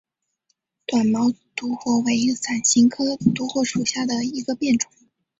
短毛独活为伞形科独活属下的一个变种。